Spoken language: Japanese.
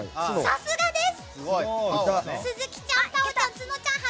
さすがです！